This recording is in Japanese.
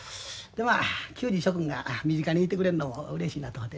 でまあ球児諸君が身近にいてくれるのもうれしいなと思てな。